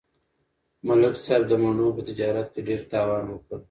ملک صاحب د مڼو په تجارت کې ډېر تاوان وکړ